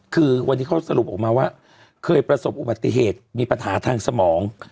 คือวันนี้เขาสรุปออกมาว่าเคยประสบอุบัติเหตุมีปัญหาทางสมอง